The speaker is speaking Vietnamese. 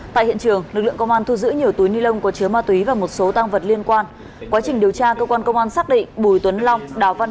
tại hiện trường lực lượng công an thu giữ nhiều túi ni lông có chứa ma túy và một số tang vật liên quan